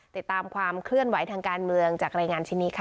ติดตามความเคลื่อนไหวทางการเมือง